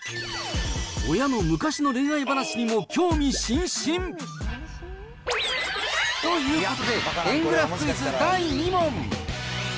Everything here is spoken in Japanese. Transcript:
親の昔の恋愛話も興味津々。ということで、円グラフクイズ第２問。